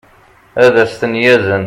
ad as-ten-yazen